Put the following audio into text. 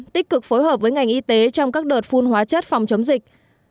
tích cực phối hợp với ngành y tế trong các đợt phun hóa chất phòng chống dịch